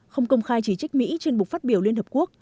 không công khai chỉ trích mỹ trên buộc phát biểu liên hợp quốc